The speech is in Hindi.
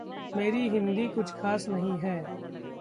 मेरी हिंदी कुछ खास नहीं है ।